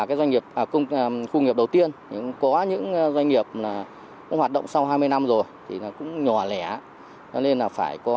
khu công nghiệp đầu tiên có những doanh nghiệp hoạt động sau hai mươi năm rồi cũng nhỏ lẻ nên phải có